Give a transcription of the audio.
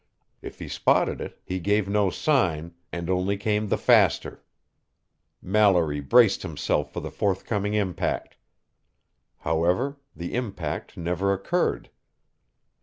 If he spotted it, he gave no sign, and only came the faster. Mallory braced himself for the forthcoming impact. However, the impact never occurred.